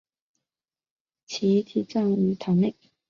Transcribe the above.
其遗体葬于堂内。